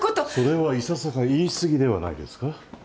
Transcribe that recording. ・それはいささか言い過ぎではないですか？